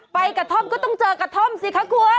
ไปกระท่อมก็ต้องเจอกระท่อมสิคะคุณ